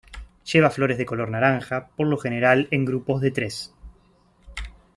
Lleva flores de color naranja, por lo general en grupos de tres.